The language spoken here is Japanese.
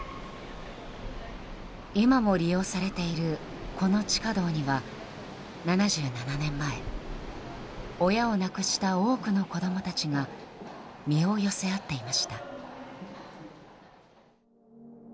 今も利用されているこの地下道には７７年前、親を亡くした多くの子供たちが身を寄せ合っていました。